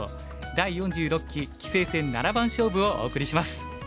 第４６期棋聖戦七番勝負」をお送りします。